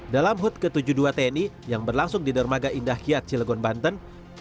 dalam hut ke tujuh puluh dua tni yang berlangsung di dermaga indah kiat cilegon banten